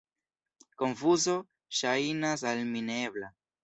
Konfuzo ŝajnas al mi ne ebla.